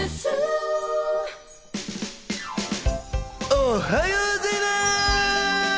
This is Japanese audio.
おはようございます！